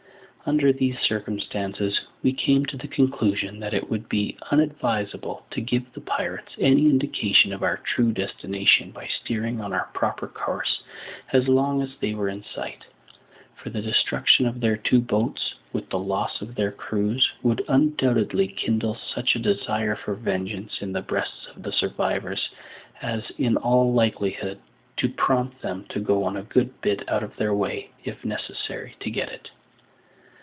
Under these circumstances we came to the conclusion that it would be unadvisable to give the pirates any indication of our true destination by steering on our proper course as long as they were in sight, for the destruction of their two boats, with the loss of their crews, would undoubtedly kindle such a desire for vengeance in the breasts of the survivors as, in all likelihood, to prompt them to go a good bit out of their way, if necessary, to get it.